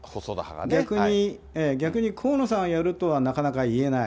逆に河野さんやるとはなかなか言えない。